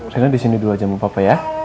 rina disini dulu aja sama papa ya